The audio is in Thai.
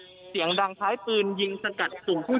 เหลือเพียงกลุ่มเจ้าหน้าที่ตอนนี้ได้ทำการแตกกลุ่มออกมาแล้วนะครับ